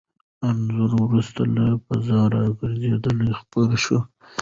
انځور وروسته له فضا راګرځېدو خپور شو.